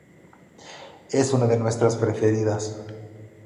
Es una de nuestras preferidas.